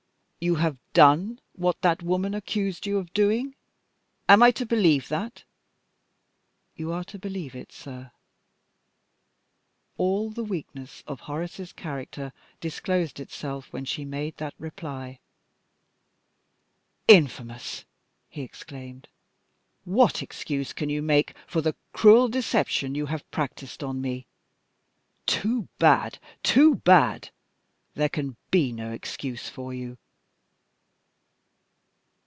"You have done what that woman accused you of doing? Am I to believe that?" "You are to believe it, sir." All the weakness of Horace's character disclosed itself when she made that reply. "Infamous!" he exclaimed. "What excuse can you make for the cruel deception you have practiced on me? Too bad! too bad! There can be no excuse for you!"